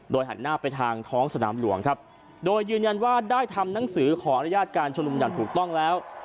หันหน้าไปทางท้องสนามหลวงครับโดยยืนยันว่าได้ทำหนังสือขออนุญาตการชุมนุมอย่างถูกต้องแล้ว